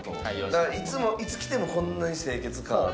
いつもいつ来てもこんなに清潔感ある。